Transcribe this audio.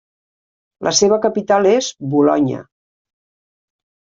La seva capital és Bolonya.